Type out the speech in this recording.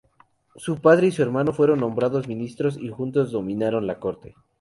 Su padre y su hermano fueron nombrados ministros y juntos dominaron la corte.